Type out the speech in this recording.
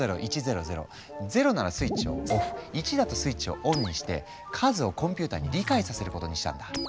０ならスイッチをオフ１だとスイッチをオンにして数をコンピューターに理解させることにしたんだ。